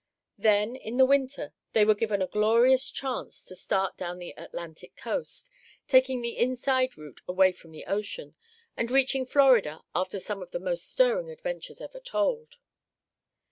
Then, in the winter, they were given a glorious chance to start down the Atlantic coast, taking the inside route away from the ocean, and reaching Florida after some of the most stirring adventures ever told.